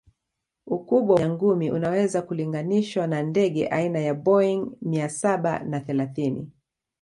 Ukubwa wa nyangumi unaweza kulinganishwa na ndege aina ya Boeing mia Saba na thelathini